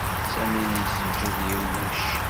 Sami yesǧed i Yuc.